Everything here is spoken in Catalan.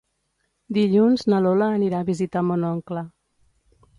Dilluns na Lola anirà a visitar mon oncle.